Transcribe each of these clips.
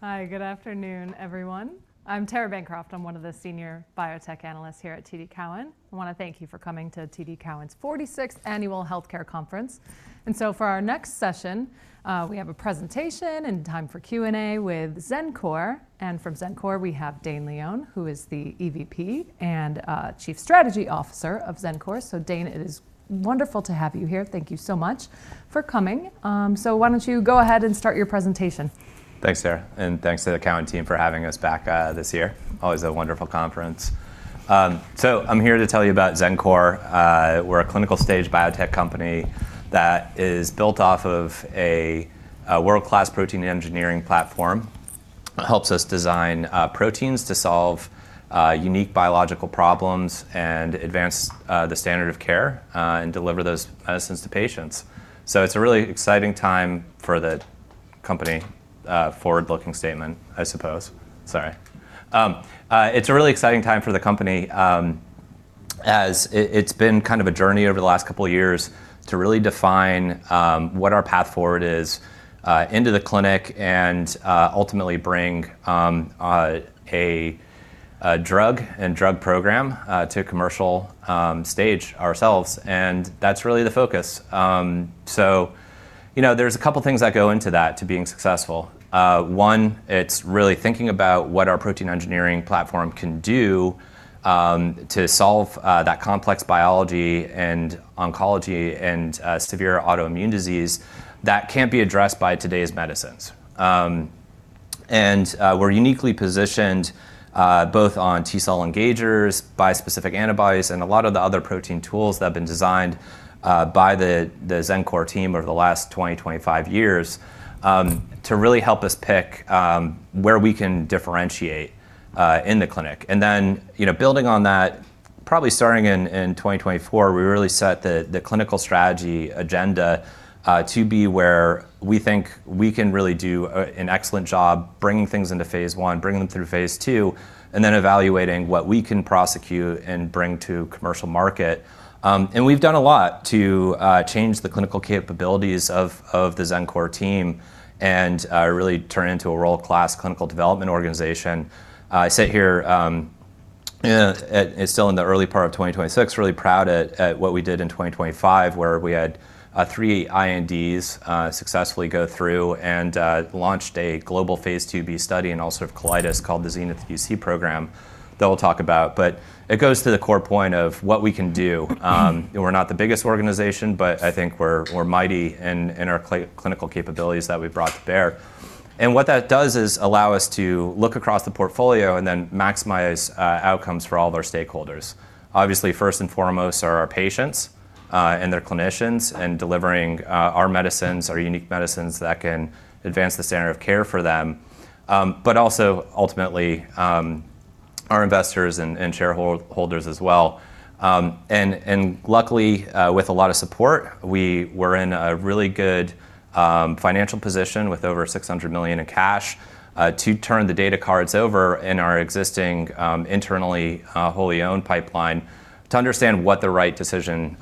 Hi. Good afternoon, everyone. I'm Tara Bancroft. I'm one of the Senior Biotech Analysts here at TD Cowen. I wanna thank you for coming to TD Cowen's 46th Annual Healthcare Conference. For our next session, we have a presentation and time for Q&A with Xencor. From Xencor, we have Dane Leone, who is the EVP and Chief Strategy Officer of Xencor. Dane, it is wonderful to have you here. Thank you so much for coming. Why don't you go ahead and start your presentation? Thanks, Tara, thanks to the Cowen team for having us back this year. Always a wonderful conference. I'm here to tell you about Xencor. We're a clinical stage biotech company that is built off of a world-class protein engineering platform that helps us design proteins to solve unique biological problems and advance the standard of care and deliver those medicines to patients. It's a really exciting time for the company. Forward-looking statement, I suppose. Sorry. It's a really exciting time for the company, as it's been kind of a journey over the last couple of years to really define what our path forward is into the clinic and ultimately bring a drug and drug program to commercial stage ourselves, and that's really the focus. you know, there's a couple things that go into that to being successful. One, it's really thinking about what our protein engineering platform can do to solve that complex biology and oncology and severe autoimmune disease that can't be addressed by today's medicines. We're uniquely positioned both on T-cell engagers, bispecific antibodies, and a lot of the other protein tools that have been designed by the Xencor team over the last 20-25 years to really help us pick where we can differentiate in the clinic. You know, building on that, probably starting in 2024, we really set the clinical strategy agenda to be where we think we can really do an excellent job bringing things into Phase 1, bringing them through Phase 2, and then evaluating what we can prosecute and bring to commercial market. We've done a lot to change the clinical capabilities of the Xencor team and really turn it into a world-class clinical development organization. I sit here still in the early part of 2026, really proud at what we did in 2025, where we had 3 INDs successfully go through and launched a global Phase 2b study in ulcerative colitis called the XENITH-UC program that we'll talk about. It goes to the core point of what we can do. We're not the biggest organization, but I think we're mighty in our clinical capabilities that we've brought to bear. What that does is allow us to look across the portfolio and then maximize outcomes for all of our stakeholders. Obviously, first and foremost are our patients, and their clinicians, and delivering our medicines, our unique medicines that can advance the standard of care for them. Also ultimately, our investors and shareholders as well. Luckily, with a lot of support, we were in a really good financial position with over $600 million in cash to turn the data cards over in our existing, internally, wholly owned pipeline to understand what the right decision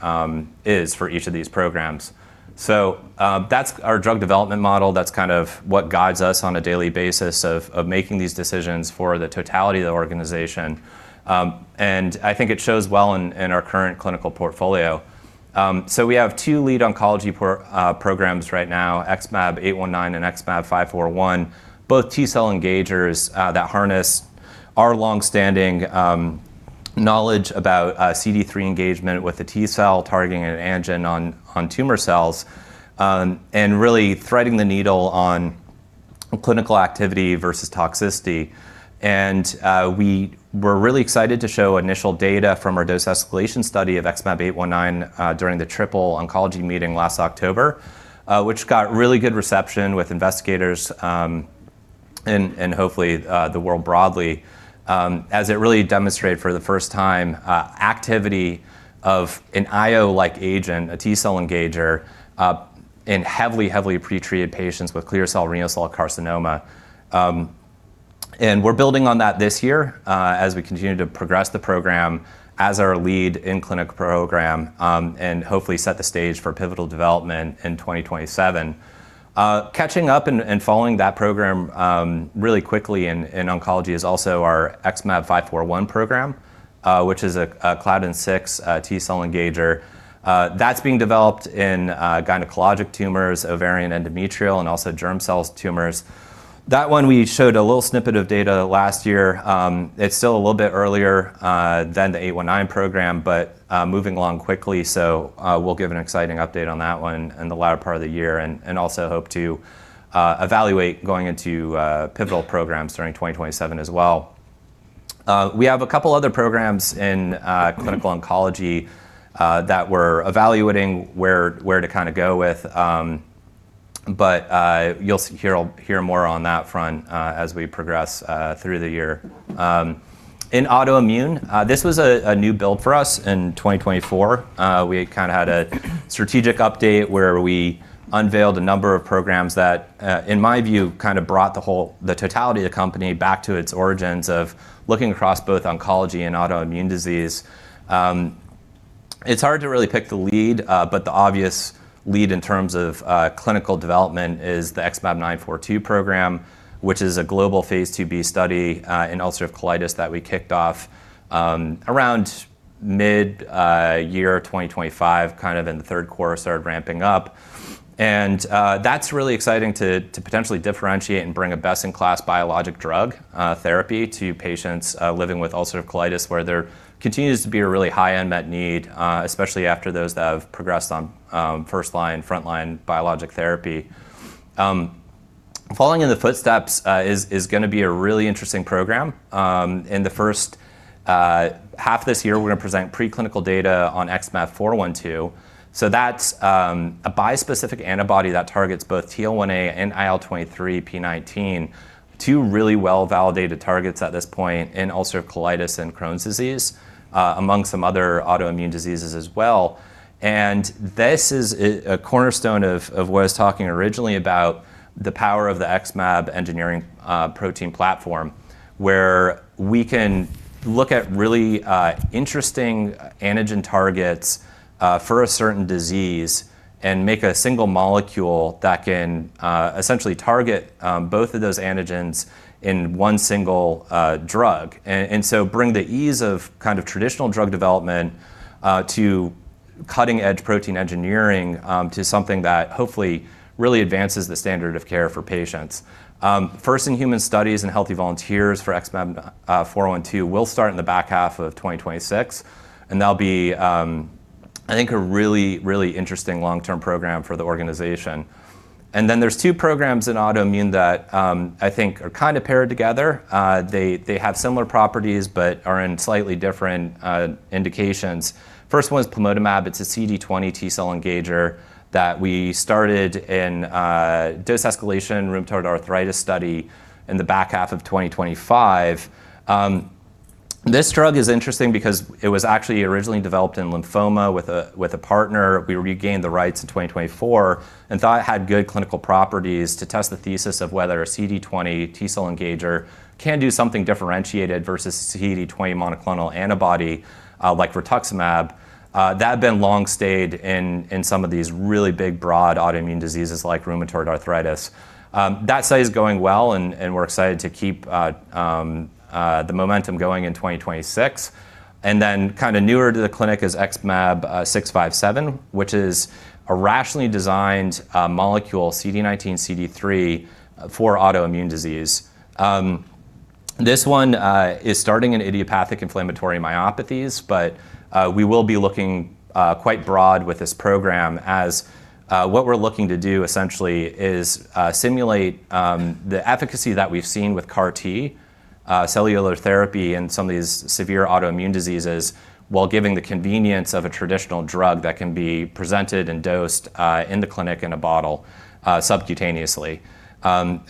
is for each of these programs. That's our drug development model. That's kind of what guides us on a daily basis of making these decisions for the totality of the organization. I think it shows well in our current clinical portfolio. We have two lead oncology programs right now, XmAb819 and XmAb541, both T-cell engagers, that harness our long-standing knowledge about CD3 engagement with the T-cell targeting an antigen on tumor cells, and really threading the needle on clinical activity versus toxicity. We were really excited to show initial data from our dose escalation study of XmAb819 during the Triple Oncology Meeting last October, which got really good reception with investigators and hopefully the world broadly, as it really demonstrated for the first time activity of an IO-like agent, a T-cell engager, in heavily pre-treated patients with clear cell renal cell carcinoma. We're building on that this year as we continue to progress the program as our lead in clinical program and hopefully set the stage for pivotal development in 2027. Catching up and following that program really quickly in oncology is also our XmAb541 program, which is a Claudin-6 T-cell engager. That's being developed in gynecologic tumors, ovarian endometrial, and also germ cell tumors. That one we showed a little snippet of data last year. It's still a little bit earlier than the XmAb819 program, but moving along quickly. We'll give an exciting update on that one in the latter part of the year and also hope to evaluate going into pivotal programs during 2027 as well. We have a couple other programs in clinical oncology that we're evaluating where to kinda go with. You'll hear more on that front as we progress through the year. In autoimmune, this was a new build for us in 2024. We kinda had a strategic update where we unveiled a number of programs that, in my view, kinda brought the totality of the company back to its origins of looking across both oncology and autoimmune disease. It's hard to really pick the lead, but the obvious lead in terms of clinical development is the XmAb942 program, which is a global Phase 2b study in ulcerative colitis that we kicked off around mid 2025, kind of in the third quarter started ramping up. That's really exciting to potentially differentiate and bring a best-in-class biologic drug therapy to patients living with ulcerative colitis, where there continues to be a really high unmet need, especially after those that have progressed on first-line, frontline biologic therapy. Following in the footsteps is gonna be a really interesting program. In the first half of this year, we're gonna present preclinical data on XmAb412. That's a bispecific antibody that targets both TL1A and IL23p19, two really well-validated targets at this point in ulcerative colitis and Crohn's disease, among some other autoimmune diseases as well. This is a cornerstone of what I was talking originally about the power of the XmAb engineering protein platform, where we can look at really interesting antigen targets for a certain disease and make a single molecule that can essentially target both of those antigens in one single drug. Bring the ease of kind of traditional drug development to cutting-edge protein engineering to something that hopefully really advances the standard of care for patients. First in human studies in healthy volunteers for XmAb412 will start in the back half of 2026, and that'll be I think a really, really interesting long-term program for the organization. There's two programs in autoimmune that I think are kind of paired together. They have similar properties but are in slightly different indications. First one is Plamotamab. It's a CD20 T-cell engager that we started in a dose escalation rheumatoid arthritis study in the back half of 2025. This drug is interesting because it was actually originally developed in lymphoma with a partner. We regained the rights in 2024 and thought it had good clinical properties to test the thesis of whether a CD20 T-cell engager can do something differentiated versus CD20 monoclonal antibody, like Rituximab, that had been long-stayed in some of these really big, broad autoimmune diseases like rheumatoid arthritis. That study is going well and we're excited to keep the momentum going in 2026. Kind of newer to the clinic is XmAb657, which is a rationally designed molecule, CD19, CD3 for autoimmune disease. This one is starting in idiopathic inflammatory myopathies. We will be looking quite broad with this program as what we're looking to do essentially is simulate the efficacy that we've seen with CAR T cellular therapy in some of these severe autoimmune diseases while giving the convenience of a traditional drug that can be presented and dosed in the clinic in a bottle subcutaneously.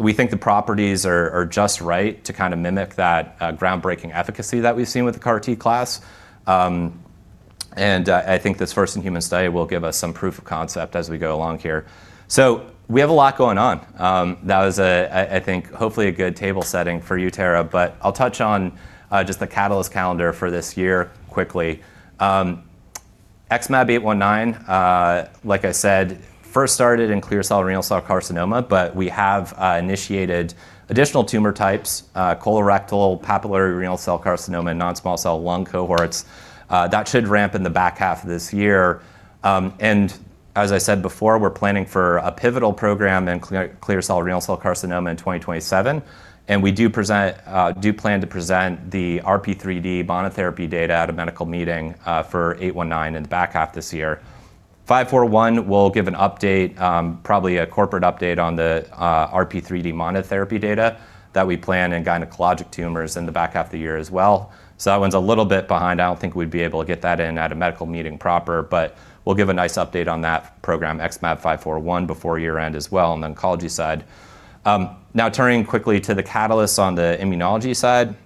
We think the properties are just right to kind of mimic that groundbreaking efficacy that we've seen with the CAR T class. I think this first-in-human study will give us some proof of concept as we go along here. We have a lot going on. That was I think, hopefully a good table setting for you, Tara, but I'll touch on just the catalyst calendar for this year quickly. XmAb819, like I said, first started in clear cell renal cell carcinoma, but we have initiated additional tumor types, colorectal, papillary renal cell carcinoma, and non-small cell lung cohorts. That should ramp in the back half of this year. As I said before, we're planning for a pivotal program in clear cell renal cell carcinoma in 2027, and we do present, do plan to present the RP3D monotherapy data at a medical meeting for 819 in the back half of this year. 541, we'll give an update, probably a corporate update on the RP3D monotherapy data that we plan in gynecologic tumors in the back half of the year as well. That one's a little bit behind. I don't think we'd be able to get that in at a medical meeting proper, but we'll give a nice update on that program, XmAb541, before year-end as well on the oncology side. Now turning quickly to the catalysts on the immunology side,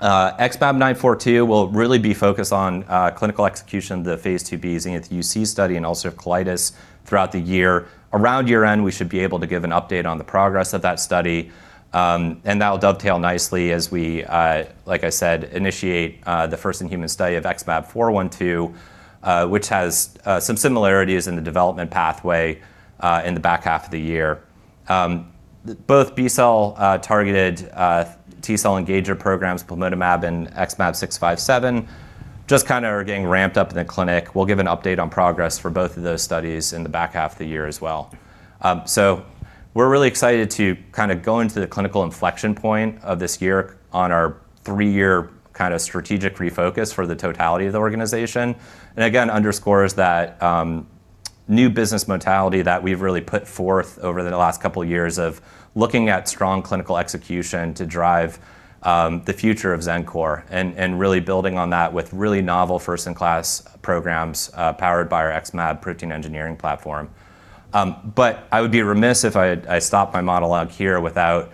XmAb942 will really be focused on clinical execution of the Phase 2bs in its UC study in ulcerative colitis throughout the year. Around year-end, we should be able to give an update on the progress of that study, and that'll dovetail nicely as we, like I said, initiate the first-in-human study of XmAb412, which has some similarities in the development pathway in the back half of the year. Both B-cell targeted T-cell engager programs, Plamotamab and XmAb657, just kind of are getting ramped up in the clinic. We'll give an update on progress for both of those studies in the back half of the year as well. We're really excited to kind of go into the clinical inflection point of this year on our 3-year kind of strategic refocus for the totality of the organization, again underscores that new business mentality that we've really put forth over the last couple years of looking at strong clinical execution to drive the future of Xencor and really building on that with really novel first-in-class programs, powered by our XmAb protein engineering platform. I would be remiss if I stopped my monologue here without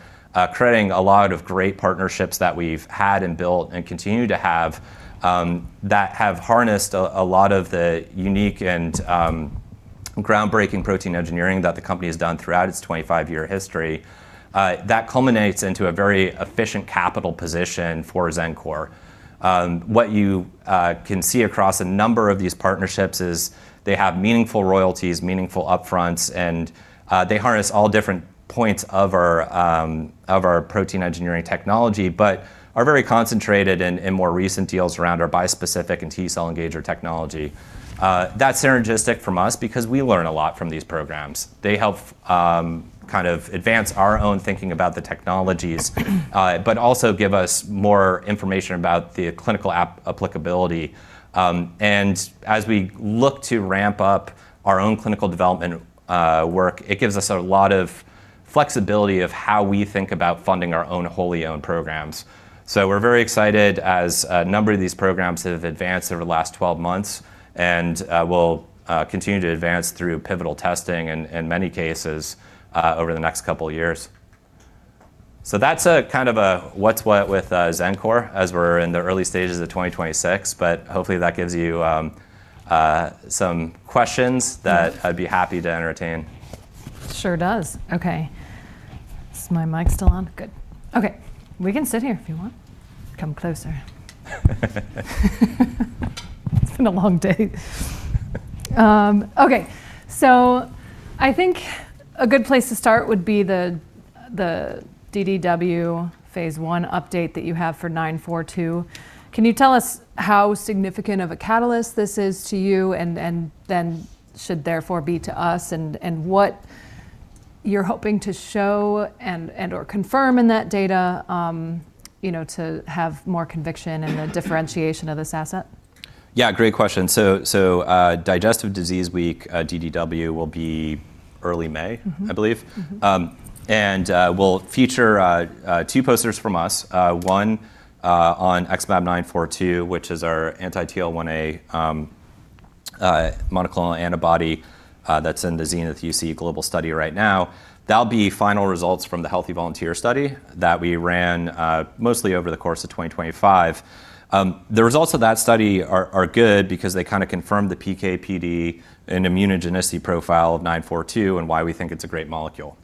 crediting a lot of great partnerships that we've had and built and continue to have that have harnessed a lot of the unique and groundbreaking protein engineering that the company has done throughout its 25-year history that culminates into a very efficient capital position for Xencor. What you can see across a number of these partnerships is they have meaningful royalties, meaningful upfronts, and they harness all different points of our protein engineering technology, but are very concentrated in more recent deals around our bispecific and T-cell engager technology. That's synergistic from us because we learn a lot from these programs. They help kind of advance our own thinking about the technologies, but also give us more information about the clinical applicability. As we look to ramp up our own clinical development work, it gives us a lot of flexibility of how we think about funding our own wholly owned programs. We're very excited as a number of these programs have advanced over the last 12 months and will continue to advance through pivotal testing in many cases over the next 2 years. That's a kind of a what's what with Xencor as we're in the early stages of 2026, but hopefully that gives you some questions that I'd be happy to entertain. Sure does. Okay. Is my mic still on? Good. Okay. We can sit here if you want. Come closer. It's been a long day. Okay. I think a good place to start would be the DDW Phase 1 update that you have for 942. Can you tell us how significant of a catalyst this is to you and then should therefore be to us and what you're hoping to show and/or confirm in that data, you know, to have more conviction in the differentiation of this asset? Yeah, great question. Digestive Disease Week, DDW, will be early May- Mm-hmm I believe. Mm-hmm. We'll feature two posters from us, one on XmAb942, which is our anti-TL1A monoclonal antibody that's in the XENITH-UC global study right now. That'll be final results from the healthy volunteer study that we ran mostly over the course of 2025. The results of that study are good because they kinda confirm the PK/PD and immunogenicity profile of 942 and why we think it's a great molecule.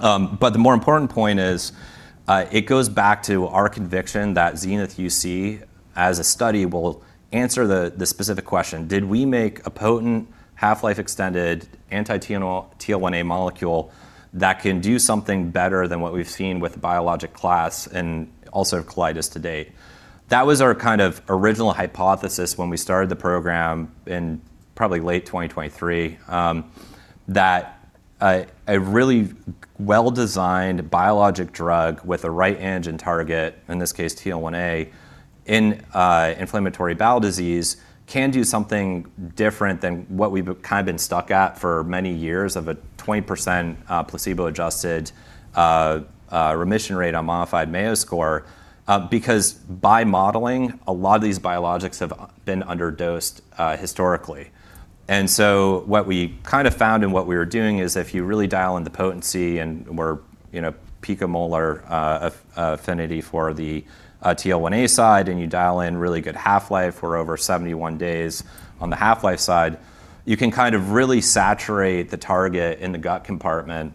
The more important point is, it goes back to our conviction that XENITH-UC as a study will answer the specific question, did we make a potent half-life extended anti-TL1A molecule that can do something better than what we've seen with the biologic class and also colitis to date? That was our kind of original hypothesis when we started the program in probably late 2023, that a really well-designed biologic drug with the right antigen target, in this case TL1A, in inflammatory bowel disease can do something different than what we've kind of been stuck at for many years of a 20% placebo adjusted remission rate on Modified Mayo Score, because by modeling, a lot of these biologics have been underdosed historically. What we kind of found in what we were doing is if you really dial in the potency and we're in a picomolar affinity for the TL1A side, and you dial in really good half-life for over 71 days on the half-life side, you can kind of really saturate the target in the gut compartment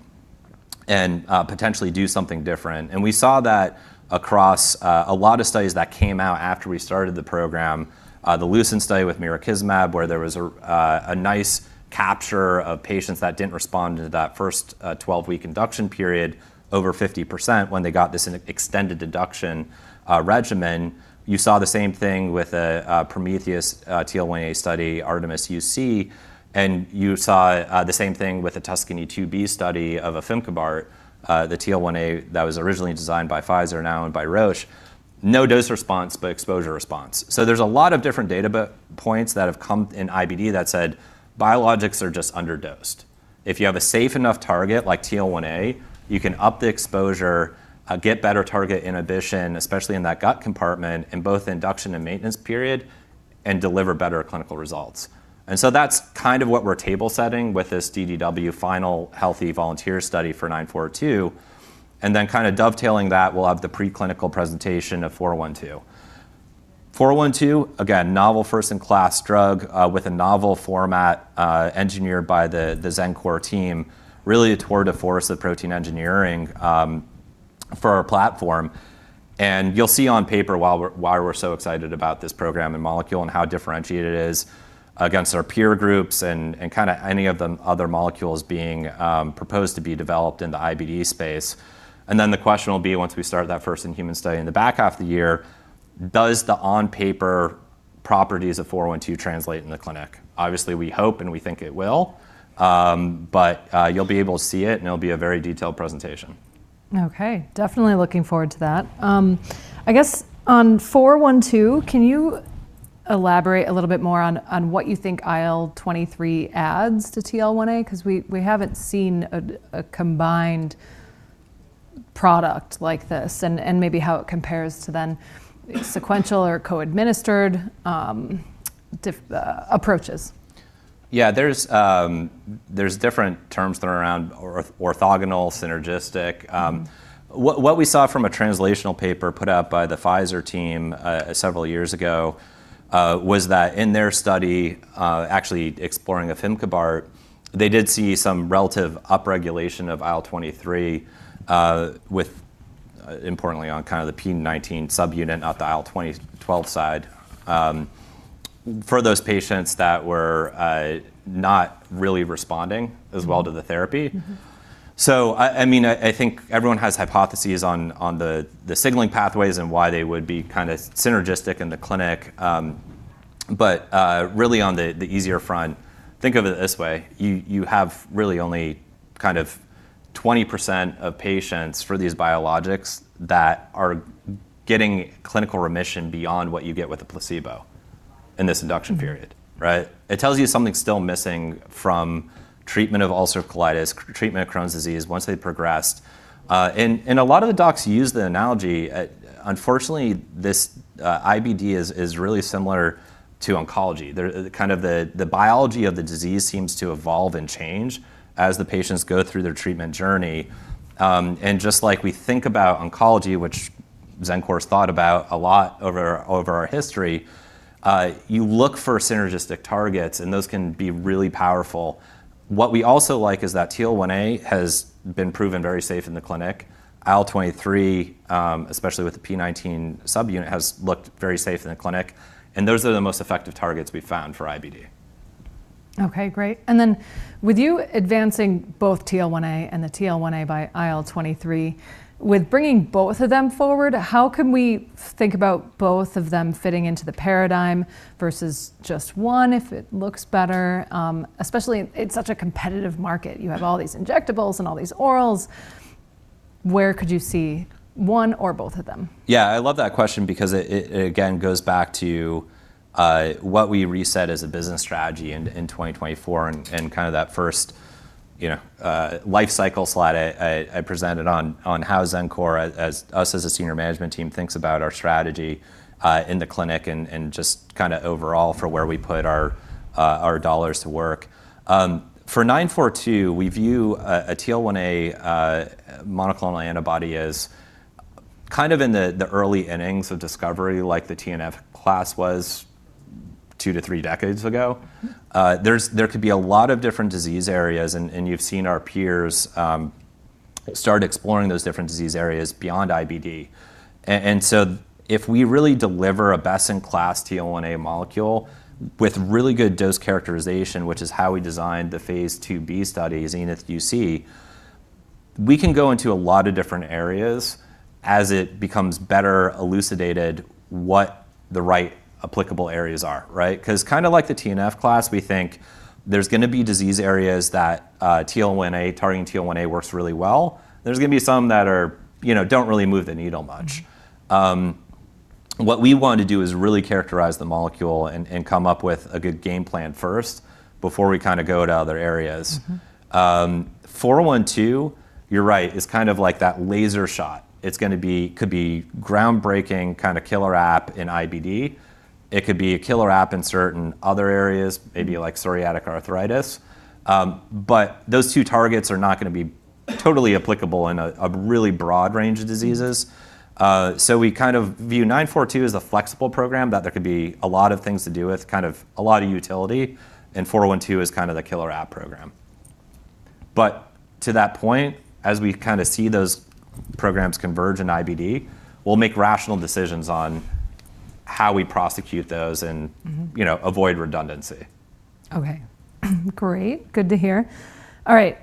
and potentially do something different. We saw that across a lot of studies that came out after we started the program, the LUCENT study with mirikizumab, where there was a nice capture of patients that didn't respond to that first 12-week induction period over 50% when they got this in an extended deduction regimen. You saw the same thing with the Prometheus TL1A study, ARTEMIS-UC, and you saw the same thing with the TUSCANY-2 study of afimkibart, the TL1A that was originally designed by Pfizer, now owned by Roche. No dose response, but exposure response. There's a lot of different data points that have come in IBD that said, biologics are just underdosed. If you have a safe enough target like TL1A, you can up the exposure, get better target inhibition, especially in that gut compartment in both induction and maintenance period, and deliver better clinical results. That's kind of what we're table setting with this DDW final healthy volunteer study for XmAb942, and then kind of dovetailing that, we'll have the preclinical presentation of XmAb412. XmAb412, again, novel first in class drug, with a novel format, engineered by the Xencor team, really a tour de force of protein engineering, for our platform. You'll see on paper why we're so excited about this program and molecule and how differentiated it is against our peer groups and kind of any of the other molecules being proposed to be developed in the IBD space. The question will be, once we start that first in human study in the back half of the year, does the on paper properties of XmAb412 translate in the clinic? Obviously, we hope and we think it will, but you'll be able to see it, and it'll be a very detailed presentation. Okay. Definitely looking forward to that. I guess on XmAb412, can you elaborate a little bit more on what you think IL-23 adds to TL1A? 'Cause we haven't seen a combined product like this and maybe how it compares to then sequential or co-administered approaches. Yeah. There's, there's different terms thrown around, orthogonal, synergistic. What we saw from a translational paper put out by the Pfizer team, several years ago, was that in their study, actually exploring Afimkibart, they did see some relative upregulation of IL-23, with, importantly on kind of the p19 subunit, not the IL-12 side, for those patients that were, not really responding as well to the therapy. Mm-hmm. I mean, I think everyone has hypotheses on the signaling pathways and why they would be kinda synergistic in the clinic. Really on the easier front, think of it this way, you have really only kind of 20% of patients for these biologics that are getting clinical remission beyond what you get with the placebo in this induction period. Mm-hmm. It tells you something's still missing from treatment of ulcerative colitis, treatment of Crohn's disease once they've progressed. A lot of the docs use the analogy unfortunately this IBD is really similar to oncology. Kind of the biology of the disease seems to evolve and change as the patients go through their treatment journey. Just like we think about oncology, which Xencor's thought about a lot over our history, you look for synergistic targets, and those can be really powerful. What we also like is that TL1A has been proven very safe in the clinic. IL-23, especially with the p19 subunit, has looked very safe in the clinic, and those are the most effective targets we've found for IBD. Okay, great. With you advancing both TL1A and the TL1A by IL-23, with bringing both of them forward, how can we think about both of them fitting into the paradigm versus just one if it looks better? Especially in such a competitive market. You have all these injectables and all these orals. Where could you see one or both of them? Yeah, I love that question because it again goes back to what we reset as a business strategy in 2024 and kind of that first, you know, life cycle slide I presented on how Xencor as us as a senior management team thinks about our strategy in the clinic and just kind of overall for where we put our dollars to work. For 942, we view a TL1A monoclonal antibody as kind of in the early innings of discovery, like the TNF class was 2 to 3 decades ago. Mm-hmm. There could be a lot of different disease areas and you've seen our peers start exploring those different disease areas beyond IBD. If we really deliver a best in class TL1A molecule with really good dose characterization, which is how we designed the Phase 2b studies, XENITH-UC, we can go into a lot of different areas as it becomes better elucidated what the right applicable areas are, right? Kinda like the TNF class, we think there's gonna be disease areas that TL1A, targeting TL1A works really well. There's gonna be some that are, you know, don't really move the needle much. Mm-hmm. What we want to do is really characterize the molecule and come up with a good game plan first before we kind of go to other areas. Mm-hmm. XmAb412, you're right, is kind of like that laser shot. It's gonna be, could be groundbreaking, kinda killer app in IBD. It could be a killer app in certain other areas, maybe like psoriatic arthritis. Those two targets are not gonna be totally applicable in a really broad range of diseases. Mm-hmm. We kind of view 942 as a flexible program that there could be a lot of things to do with, kind of a lot of utility, and 412 is kind of the killer app program. To that point, as we kinda see those programs converge in IBD, we'll make rational decisions on how we prosecute those. Mm-hmm... you know, avoid redundancy. Okay. Great. Good to hear. All right.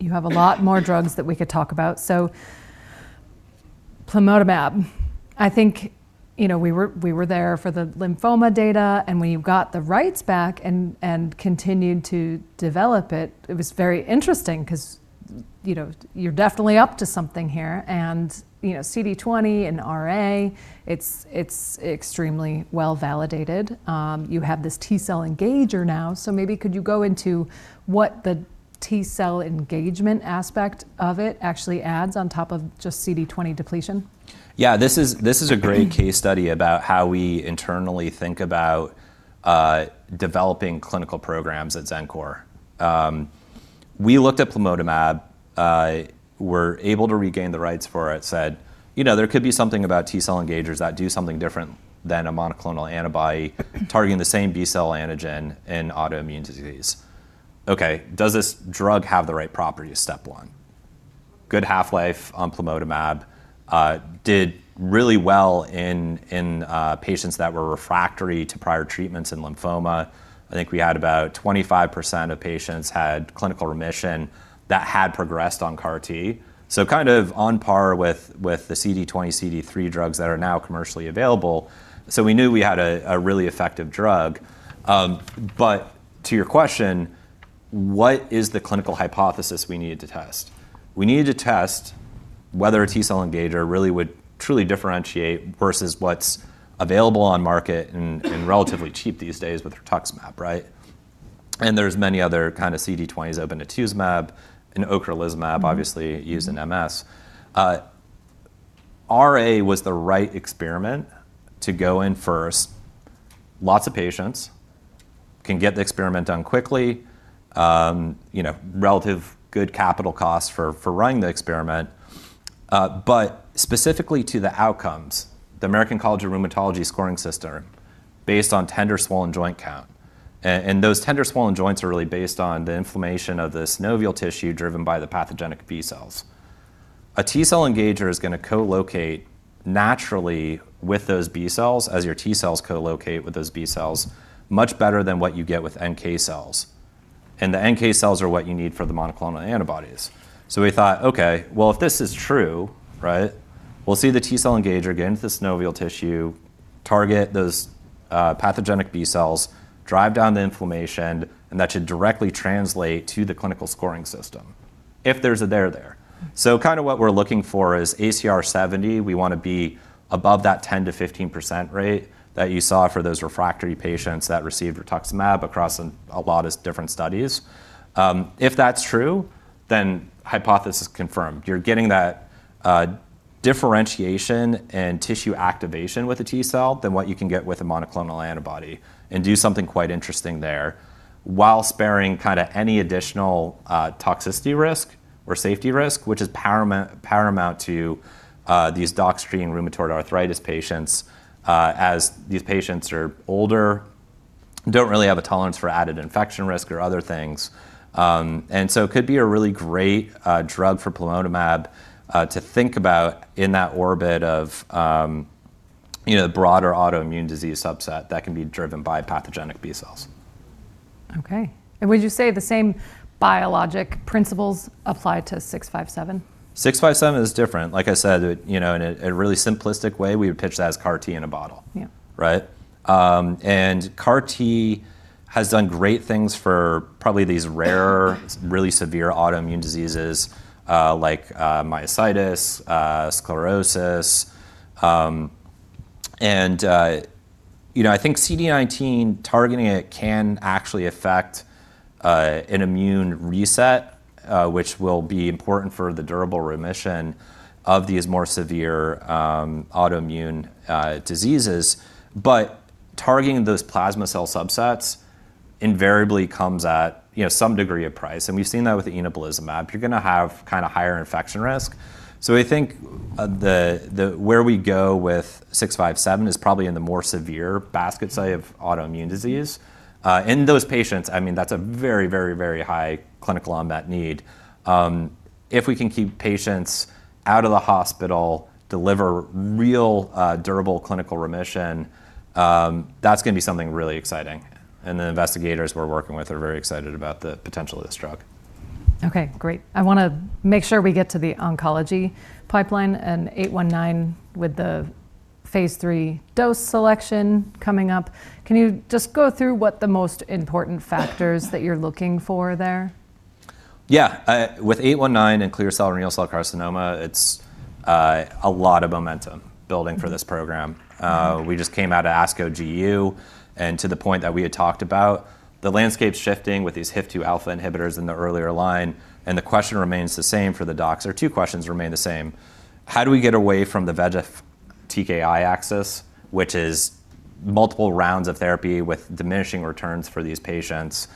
You have a lot more drugs that we could talk about. Plamotamab. I think, you know, we were there for the lymphoma data, and when you got the rights back and continued to develop it was very interesting 'cause, you know, you're definitely up to something here. You know, CD20 and RA, it's extremely well validated. You have this T-cell engager now. Maybe could you go into what the T-cell engagement aspect of it actually adds on top of just CD20 depletion? Yeah. This is a great case study about how we internally think about developing clinical programs at Xencor. We looked at Plamotamab, were able to regain the rights for it, said, "You know, there could be something about T-cell engagers that do something different than a monoclonal antibody targeting the same B-cell antigen in autoimmune disease." Okay, does this drug have the right properties? Step one. Good half-life on Plamotamab. Did really well in patients that were refractory to prior treatments in lymphoma. I think we had about 25% of patients had clinical remission that had progressed on CAR T, so kind of on par with the CD20, CD3 drugs that are now commercially available. We knew we had a really effective drug. To your question, what is the clinical hypothesis we needed to test? We needed to test whether a T-cell engager really would truly differentiate versus what's available on market and relatively cheap these days with rituximab, right? There's many other kind of CD20s, obinutuzumab, and ocrelizumab. Mm-hmm... obviously used in MS. RA was the right experiment to go in first. Lots of patients can get the experiment done quickly, you know, relative good capital costs for running the experiment. Specifically to the outcomes, the American College of Rheumatology scoring system based on tender swollen joint count, and those tender swollen joints are really based on the inflammation of the synovial tissue driven by the pathogenic B cells. A T-cell engager is gonna co-locate naturally with those B cells as your T cells co-locate with those B cells much better than what you get with NK cells. The NK cells are what you need for the monoclonal antibodies. We thought, okay, well, if this is true, right, we'll see the T-cell engager get into the synovial tissue, target those pathogenic B cells, drive down the inflammation, and that should directly translate to the clinical scoring system if there's a there there. Kinda what we're looking for is ACR70, we wanna be above that 10%-15% rate that you saw for those refractory patients that received Rituximab across a lot of different studies. If that's true, then hypothesis confirmed. You're getting that differentiation and tissue activation with a T cell than what you can get with a monoclonal antibody and do something quite interesting there while sparing kinda any additional toxicity risk or safety risk, which is paramount to these dox-treated rheumatoid arthritis patients. As these patients are older, don't really have a tolerance for added infection risk or other things. Could be a really great drug for Plamotamab to think about in that orbit of, you know, the broader autoimmune disease subset that can be driven by pathogenic B cells. Okay. Would you say the same biologic principles apply to XmAb657? XmAb657 is different. Like I said, it, you know, in a really simplistic way, we would pitch that as CAR T in a bottle. Yeah. Right? CAR T has done great things for probably these really severe autoimmune diseases, like myositis, sclerosis. you know, I think CD19 targeting it can actually affect an immune reset, which will be important for the durable remission of these more severe autoimmune diseases. Targeting those plasma cell subsets invariably comes at, you know, some degree of price, and we've seen that with inebilizumab. You're gonna have kinda higher infection risk. We think where we go with 657 is probably in the more severe basket study of autoimmune disease. In those patients, I mean, that's a very, very, very high clinical unmet need. If we can keep patients out of the hospital, deliver real, durable clinical remission, that's gonna be something really exciting, and the investigators we're working with are very excited about the potential of this drug. Okay, great. I wanna make sure we get to the oncology pipeline and 819 with the Phase 3 dose selection coming up. Can you just go through what the most important factors that you're looking for there? Yeah, with XmAb819 and clear cell renal cell carcinoma, it's a lot of momentum building for this program. To the point that we had talked about, the landscape's shifting with these HIF-2α inhibitors in the earlier line. The question remains the same for the docs, or two questions remain the same: How do we get away from the VEGF-TKI axis, which is multiple rounds of therapy with diminishing returns for these patients?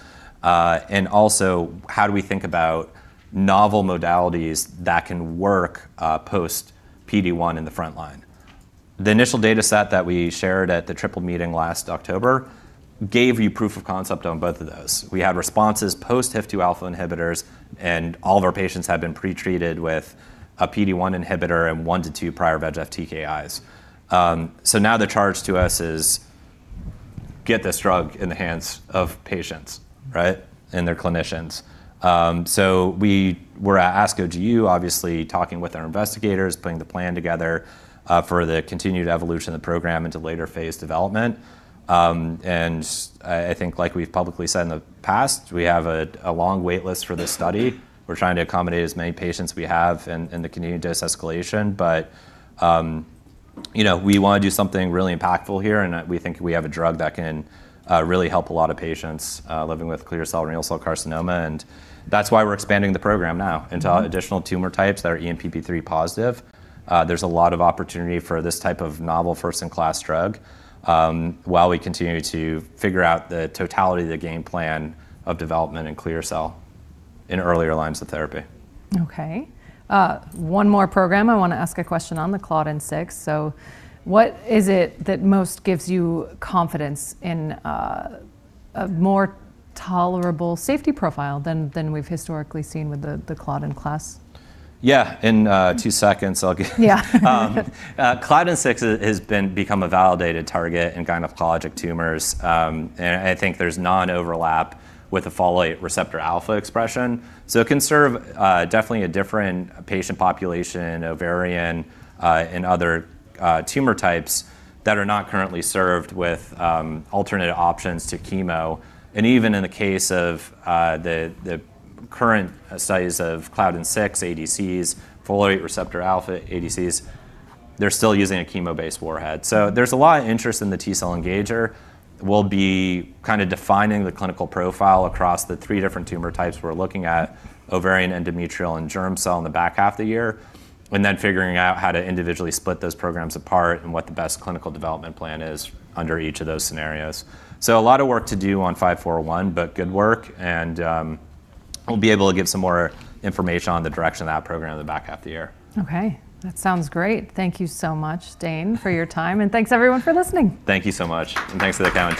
Also, how do we think about novel modalities that can work post PD-1 in the front line? The initial data set that we shared at the Triple Meeting last October gave you proof of concept on both of those. We had responses post HIF-2α inhibitors, all of our patients had been pretreated with a PD-1 inhibitor and 1 to 2 prior VEGF-TKIs. Now the charge to us is get this drug in the hands of patients, right, and their clinicians. We were at ASCO GU obviously talking with our investigators, putting the plan together for the continued evolution of the program into later phase development. I think like we've publicly said in the past, we have a long wait list for this study. We're trying to accommodate as many patients we have in the continued de-escalation. You know, we wanna do something really impactful here, we think we have a drug that can really help a lot of patients living with clear cell renal cell carcinoma, and that's why we're expanding the program now into additional tumor types that are ENPP3-positive. There's a lot of opportunity for this type of novel first-in-class drug, while we continue to figure out the totality of the game plan of development in clear cell in earlier lines of therapy. Okay. one more program I wanna ask a question on, the Claudin-6. What is it that most gives you confidence in, a more tolerable safety profile than we've historically seen with the Claudin class? Yeah. In, 2 seconds. Yeah. Claudin-6 has become a validated target in gynecologic tumors. I think there's non-overlap with the Folate receptor alpha expression. It can serve, definitely, a different patient population, ovarian, and other tumor types that are not currently served with alternative options to chemo. Even in the case of the current studies of Claudin-6 ADCs, Folate receptor alpha ADCs, they're still using a chemo-based warhead. There's a lot of interest in the T-cell engager. We'll be kinda defining the clinical profile across the three different tumor types we're looking at, ovarian, endometrial and germ cell in the back half of the year, figuring out how to individually split those programs apart and what the best clinical development plan is under each of those scenarios. A lot of work to do on XmAb541, but good work, and we'll be able to give some more information on the direction of that program in the back half of the year. Okay. That sounds great. Thank you so much, Dane, for your time. Thanks everyone for listening. Thank you so much, and thanks for the coverage.